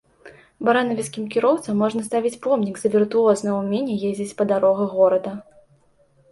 Баранавіцкім кіроўцам можна ставіць помнік за віртуознае ўменне ездзіць па дарогах горада!